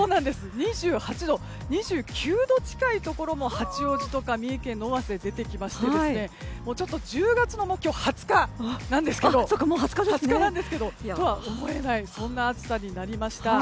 ２８度２９度近いところも八王子とか三重県の尾鷲で出てきましてちょっと１０月２０日とは思えないようなそんな暑さになりました。